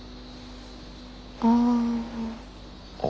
ああ。